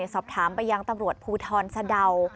สอบถามไปยังตำรวจภูทรสะดาว